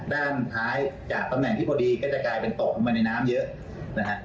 ด้านท้ายจากตำแหน่งที่พอดีก็จะกลายเป็นตกลงมาในน้ำเยอะนะฮะ